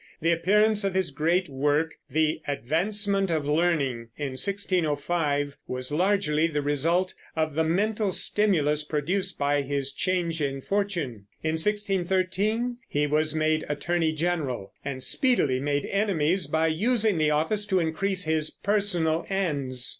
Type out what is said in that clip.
The appearance of his great work, the Advancement of Learning, in 1605, was largely the result of the mental stimulus produced by his change in fortune. In 1613 he was made attorney general, and speedily made enemies by using the office to increase his personal ends.